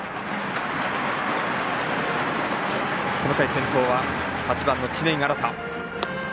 この回、先頭は８番、知念新。